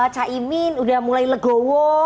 caimin udah mulai legowo